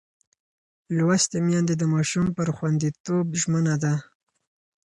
لوستې میندې د ماشوم پر خوندیتوب ژمنه ده.